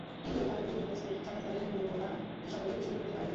কিন্তু তাঁর দুই ঘণ্টা স্থায়ী সাক্ষাৎকারে বোকোভা সবাইকে খুশি করতে পারেননি।